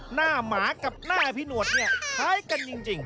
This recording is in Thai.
หมากับหน้าพี่หนวดเนี่ยคล้ายกันจริง